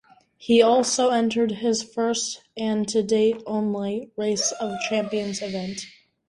He also entered his first, and to date only, Race of Champions event.